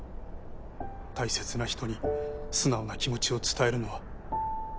大切な人に素直な気持ちを伝えるのは。